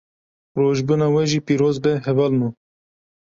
Rojbûna we jî piroz be hevalno